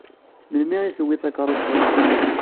Melmi i tewwi takeṛṛust-is?